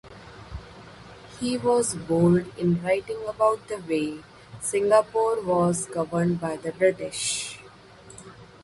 He was bold in writing about the way Singapore was governed by the British.